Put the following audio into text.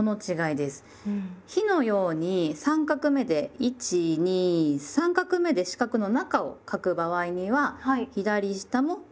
「日」のように３画目で１２３画目で四角の中を書く場合には左下も右下も下に出します。